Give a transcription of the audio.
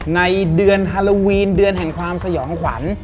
ในเดือนฮาโลวีนเดือนแห่งความสยองขวัญ